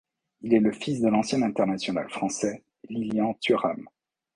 Il est le fils de l'ancien international français Lilian Thuram.